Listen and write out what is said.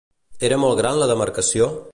Era molt gran la demarcació?